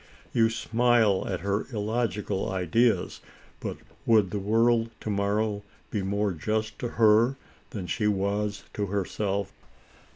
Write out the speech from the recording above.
You smile at her illogical ideas; but would the world, to morrow, be more just to her than she was to herself